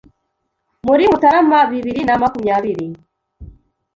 Muri Mutarama bibiri na makumyabiri